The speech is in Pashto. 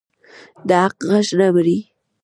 د حق غږ نه مري